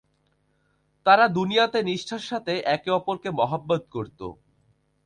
তারা দুনিয়াতে নিষ্ঠার সাথে একে অপরকে মহব্বত করত।